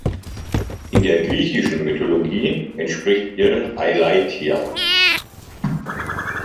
In der griechischen Mythologie entspricht ihr Eileithyia.